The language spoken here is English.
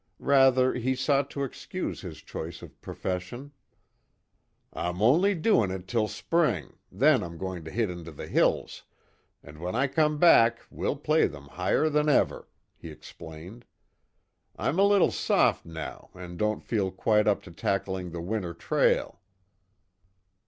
Rather he sought to excuse his choice of profession: "I'm only doing it till spring, then I'm going to hit into the hills, and when I come back we'll play them higher than ever," he explained. "I'm a little soft now and don't feel quite up to tackling the winter trail."